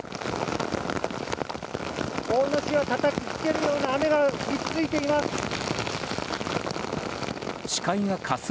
大野市はたたきつけるような雨が降り続いています。